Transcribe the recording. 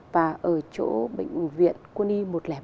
và ở chỗ bệnh viện quân y một trăm linh hai